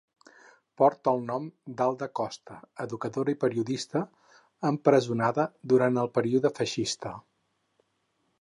Porta el nom d'Alda Costa, educadora i periodista, empresonada durant el període feixista.